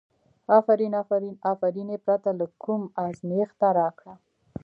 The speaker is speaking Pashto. افرین افرین، افرین یې پرته له کوم ازمېښته راکړه.